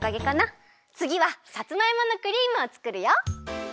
つぎはさつまいものクリームをつくるよ！